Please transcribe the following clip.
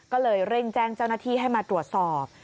ก็เลยเร่งแจ้งเจ้าหน้าที่ให้มาตรวจสอบ